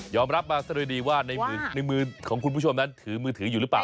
รับมาซะด้วยดีว่าในมือของคุณผู้ชมนั้นถือมือถืออยู่หรือเปล่า